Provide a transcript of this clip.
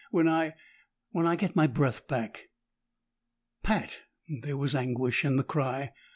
When I when I get my breath back." "Pat!" There was anguish in the cry.